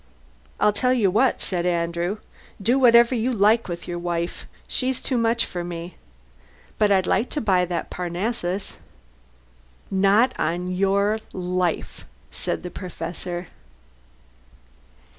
"I tell you what," said Andrew "do whatever you like with your wife; she's too much for me. But I'd like to buy that Parnassus." "Not on your life!" said the Professor.